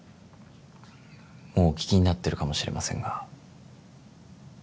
もうお聞きになってるかもしれませんが